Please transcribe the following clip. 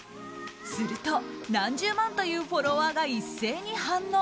すると何十万というフォロワーが一斉に反応！